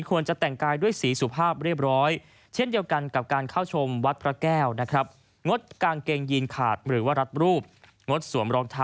ควรจะแต่งกายด้วยสีสุภาพเรียบร้อยเช่นเดียวกันกับการเข้าชมวัดพระแก้วนะครับ